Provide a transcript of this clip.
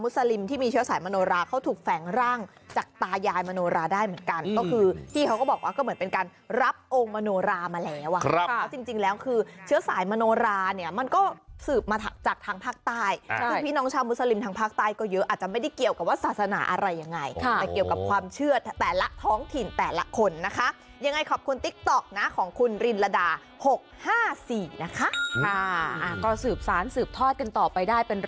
สายมโนราเขาถูกแฝงร่างจากตายายมโนราได้เหมือนกันก็คือที่เขาก็บอกว่าก็เหมือนเป็นการรับองค์มโนรามาแล้วอ่ะจริงแล้วคือเชื้อสายมโนราเนี่ยมันก็สืบมาจากทางภาคใต้พี่น้องชาวมุสลิมทางภาคใต้ก็เยอะอาจจะไม่ได้เกี่ยวกับว่าศาสนาอะไรยังไงแต่เกี่ยวกับความเชื่อแต่ละท้องถิ่นแต่ละคนนะคะยั